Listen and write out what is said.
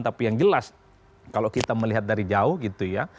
tapi yang jelas kalau kita melihat dari jauh gitu ya